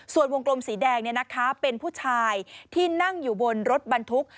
ส่วนวงกลมสีแดงเป็นผู้ชายที่นั่งอยู่บนรถบรรทุก